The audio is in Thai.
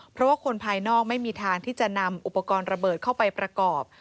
เพราะว่าคนภายนอกไม่มีทางที่จะนำอุปกรณ์ระเบิดเข้าไปประกอบ